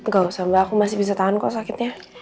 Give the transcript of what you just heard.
gak usah mbak aku masih bisa tahan kok sakitnya